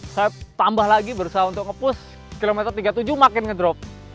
saya tambah lagi berusaha untuk ngepus kilometer tiga tujuh makin ngedrop